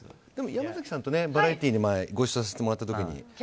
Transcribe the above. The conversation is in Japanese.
山崎さんとバラエティーでご一緒させてもらった時に。